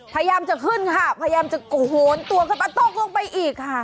พยายามจะขึ้นค่ะพยายามจะโหนตัวขึ้นมาตกลงไปอีกค่ะ